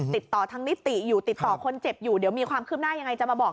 ติดต่อทางนิติอยู่ติดต่อคนเจ็บอยู่เดี๋ยวมีความคืบหน้ายังไงจะมาบอก